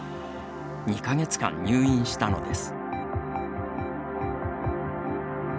２か月間、入院したのです。